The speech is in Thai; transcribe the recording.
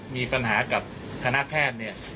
มีปัญหากับคณะแพทย์เนี่ย